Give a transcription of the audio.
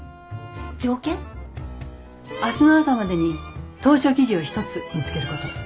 条件？明日の朝までに投書記事を一つ見つけること。